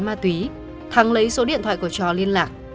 sau đó thắng lấy số điện thoại của trò liên lạc